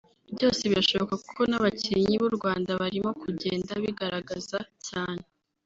Byose birashoka kuko n’abakinyi b’u Rwanda barimo kugenda bigaragaza cyane